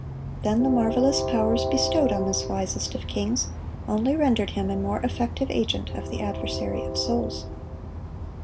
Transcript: Then the marvelous powers bestowed on this wisest of kings, only rendered him a more effective agent of the adversary of souls.